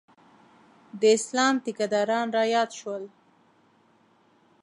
د اسلام ټیکداران رایاد شول.